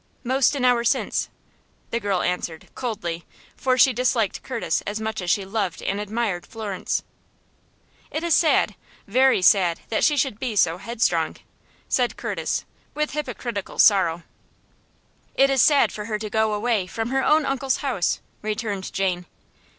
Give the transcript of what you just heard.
"Most an hour since," the girl answered, coldly, for she disliked Curtis as much as she loved and admired Florence. "It is sad, very sad that she should be so headstrong," said Curtis, with hypocritical sorrow. "It is sad for her to go away from her own uncle's house," returned Jane.